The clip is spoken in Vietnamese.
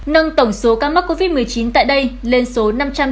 nâng tổng số ca mắc covid một mươi chín tại đây lên số năm trăm chín mươi bốn ca